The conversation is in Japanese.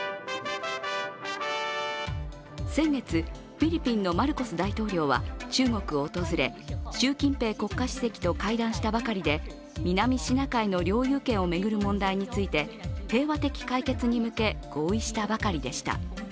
先月、フィリピンのマルコス大統領は中国を訪れ、習近平国家主席と会談したばかりで南シナ海の領有権を巡る問題について平和的解決に向け合意したばかりでした。